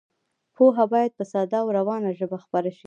پوهه باید په ساده او روانه ژبه خپره شي.